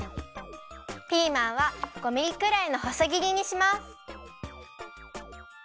ピーマンは５ミリくらいのほそぎりにします。